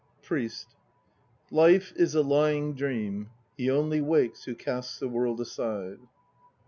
PRIEST. Life is a lying dream, he only wakes Who casts the World aside.